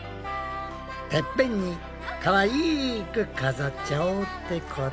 てっぺんにかわいく飾っちゃおうってことだな。